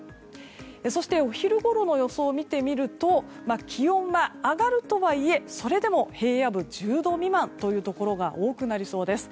そしてお昼ごろの予想を見てみると気温は上がるとはいえそれでも平野部１０度未満というところが多くなりそうです。